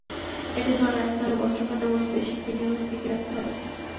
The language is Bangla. এটি ধরে রাখতে হলে বস্ত্র খাতে বৈদেশিক বিনিয়োগ টিকিয়ে রাখতে হবে।